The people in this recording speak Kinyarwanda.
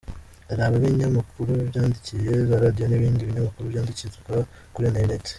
Hari ab’ibinyamakuru byandikwa, za Radio n’ ibindi binyamakuru byandikirwa kuri internet.